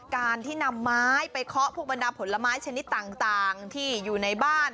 การที่นำไม้ไปเคาะพวกบรรดาผลไม้ชนิดต่างที่อยู่ในบ้าน